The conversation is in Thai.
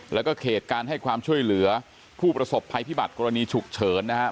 แล้วก็เขตการให้ความช่วยเหลือผู้ประสบภัยพิบัติกรณีฉุกเฉินนะครับ